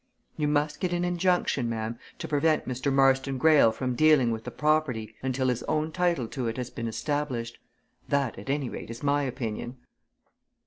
You must get an injunction, ma'am, to prevent Mr. Marston Greyle from dealing with the property until his own title to it has been established. That, at any rate, is my opinion."